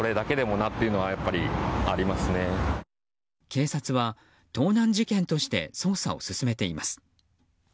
警察は、盗難事件として捜査を進めています。